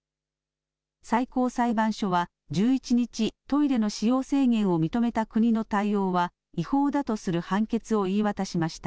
最高裁判所は１１日、トイレの使用制限を認めた国の対応は違法だとする判決を言い渡しました。